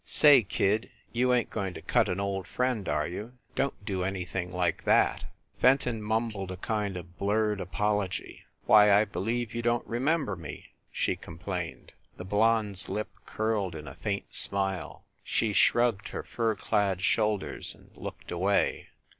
"Say, kid, you ain t going to cut an old friend, are you ? Don t do anything like that !" Fenton mumbled a kind of blurred apology. "Why, I believe you don t remember me!" she complained. The blonde s lip curled in a faint smile; she shrugged her fur clad shoulders and looked away.